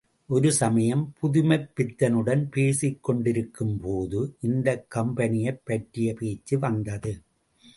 ஒரு சமயம் புதுமைப்பித்தனுடன் பேசிக் கொண்டிருக்கும்போது இந்தக் கம்பெனியைப் பற்றிய பேச்சு வந்தது.